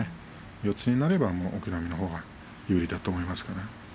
四つになれば隠岐の海のほうが有利だと思いますけどね。